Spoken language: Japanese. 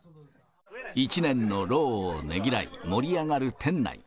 一年の労をねぎらい、盛り上がる店内。